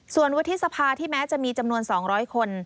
ส่วนวุฒิสภาที่แม้จะมีจำนวน๒๐๐คน